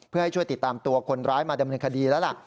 เพื่อให้ช่วยติดตามตัวคนร้ายมาดำเนินคดีแล้วล่ะ